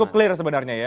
cukup clear sebenarnya ya